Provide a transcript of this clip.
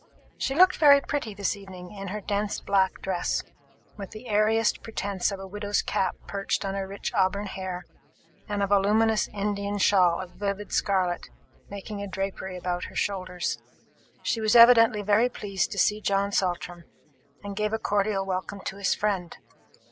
She looked very pretty this evening, in her dense black dress, with the airiest pretence of a widow's cap perched on her rich auburn hair, and a voluminous Indian shawl of vivid scarlet making a drapery about her shoulders. She was evidently very pleased to see John Saltram, and gave a cordial welcome to his friend.